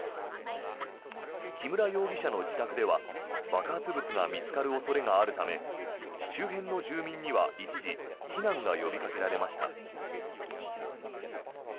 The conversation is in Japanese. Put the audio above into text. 木村容疑者の自宅では爆発物が見つかる恐れがあるため周辺の住民には一時避難が呼びかけられました。